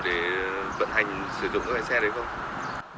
để vận hành sử dụng cái xe đấy không